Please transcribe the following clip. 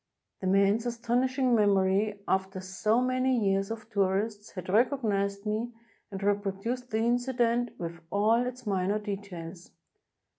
The man's astonishing memory, after so many years of tourists, had recognized me and repro duced the incident with all its minor details.